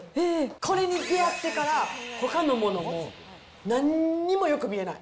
これに出会ってから、ほかのもの、もう、なんにもよく見えない。